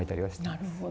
なるほど。